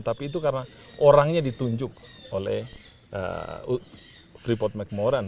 tapi itu karena orangnya ditunjuk oleh freeport mcmoran